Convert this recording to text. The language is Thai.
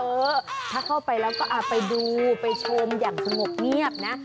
เออถ้าเข้าไปแล้วก็ไปดูไปชมอย่างสงบเงียบนะ